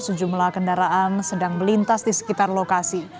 sejumlah kendaraan sedang melintas di sekitar lokasi